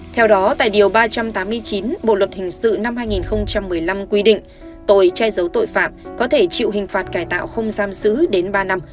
theo đó tại điều ba trăm tám mươi chín bộ luật hình sự năm hai nghìn một mươi năm quy định tội che giấu tội phạm có thể chịu hình phạt cải tạo không giam giữ đến ba năm